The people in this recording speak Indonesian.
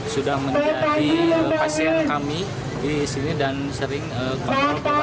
sudah menjadi pasien kami di sini dan sering kontrol